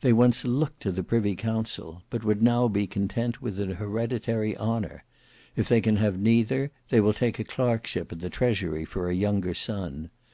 They once looked to the privy council, but would now be content with an hereditary honour; if they can have neither, they will take a clerkship in the Treasury for a younger son.